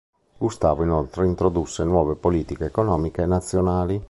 Gustavo inoltre introdusse nuove politiche economiche nazionali.